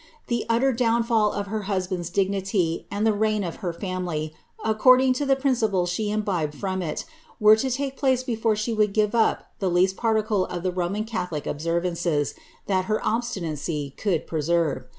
The utter downfall of her husband's dignity, and the reign of her family, according to the principles she imbibed from it, were to take place before she would give up the least particle of the Koman catholic observances, that her obstinacy could preserve.